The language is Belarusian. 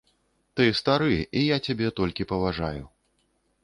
Ты стары, і я цябе толькі паважаю.